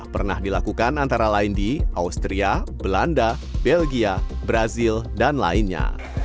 pernah dilakukan antara lain di austria belanda belgia brazil dan lainnya